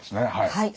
はい。